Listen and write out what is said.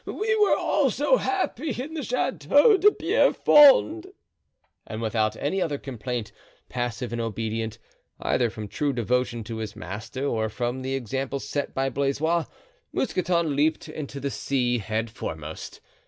We were all so happy in the Chateau de Pierrefonds!" And without any other complaint, passive and obedient, either from true devotion to his master or from the example set by Blaisois, Mousqueton leaped into the sea headforemost.